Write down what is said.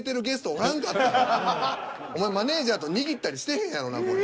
お前マネジャーと握ったりしてへんやろうな。